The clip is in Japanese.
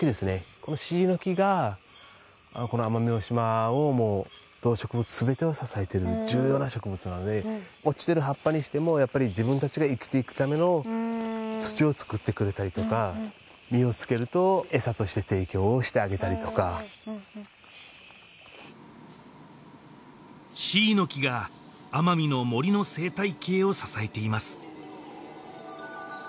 このシイの木がこの奄美大島をもう動植物全てを支えている重要な植物なので落ちてる葉っぱにしてもやっぱり自分達が生きていくための土を作ってくれたりとか実をつけると餌として提供してあげたりとかシイの木が奄美の森の生態系を支えています